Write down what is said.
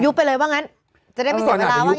ไปเลยว่างั้นจะได้ไม่เสียเวลาว่า